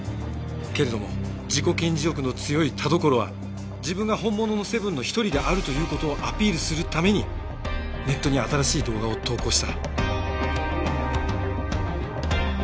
けれども自己顕示欲の強い田所は自分が本物のセブンの一人であるという事をアピールするためにネットに新しい動画を投稿した。